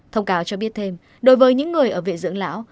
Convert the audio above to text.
thông cáo cho biết thêm đối với những người ở viện dưỡng lão